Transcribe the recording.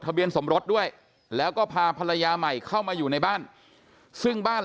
เบียนสมรสด้วยแล้วก็พาภรรยาใหม่เข้ามาอยู่ในบ้านซึ่งบ้าน